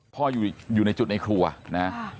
พ่ออยู่ในจุดในครัวนะ